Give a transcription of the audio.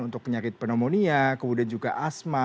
untuk penyakit pneumonia kemudian juga asma